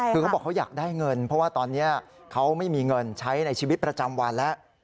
คือเขาบอกเขาอยากได้เงินเพราะว่าตอนนี้เขาไม่มีเงินใช้ในชีวิตประจำวันแล้ว